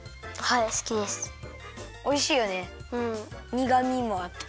にがみもあって。